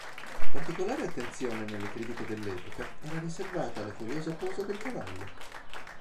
Particolare attenzione, nelle critiche dell'epoca, era riservata alla curiosa posa del cavallo.